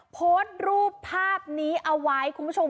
โพสต์รูปภาพนี้เอาไว้คุณผู้ชม